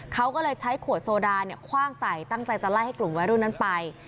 เขาก็เลยใช้ขวดโซดาคว่างใส่ตั้งใจจะไล่ให้กลุ่มวัยรุ่นนั้นไป